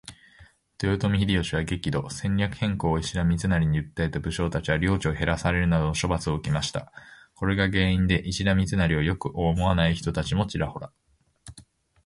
豊臣秀吉は激怒。戦略変更を石田三成に訴えた武将達は領地を減らされるなどの処罰を受けました。これが原因で石田三成を良く思わない人たちもちらほら。